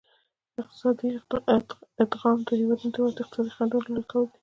اقتصادي ادغام د هیوادونو ترمنځ د اقتصادي خنډونو لرې کول دي